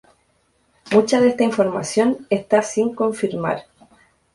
Mucha de esta información está sin confirmar.